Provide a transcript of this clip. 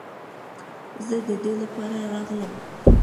زه د دې لپاره راغلم.